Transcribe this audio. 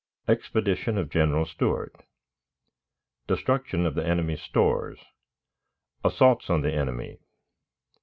Expedition of General Stuart. Destruction of the Enemy's Stores. Assaults on the Enemy.